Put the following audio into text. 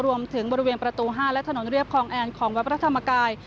รวมถึงบริเวณประตู๕และถนนเรียบคลองแอนของวัดพระธรรมกาย